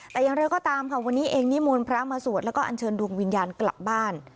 แต่อย่างไรก็ตามค่ะวันนี้เองนิมนต์พระมาสวดแล้วก็อันเชิญดวงวิญญาณกลับบ้าน